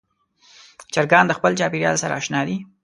چرګان د خپل چاپېریال سره اشنا دي.